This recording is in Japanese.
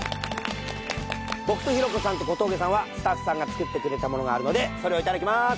僕と寛子さんと小峠さんはスタッフさんが作ってくれたものがあるのでそれを頂きます。